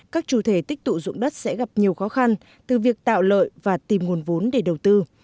các chủ thể tích tụ dụng đất sẽ gặp nhiều khó khăn từ việc tạo lợi và tìm nguồn vốn để đầu tư